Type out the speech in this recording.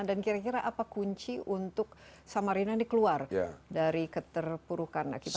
dan kira kira apa kunci untuk samarinda dikeluar dari keterpurukan akibat covid sembilan belas